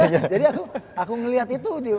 jadi aku ngelihat itu